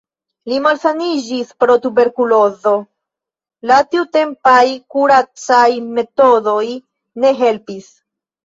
Li malsaniĝis pro tuberkulozo, la tiutempaj kuracaj metodoj ne helpis.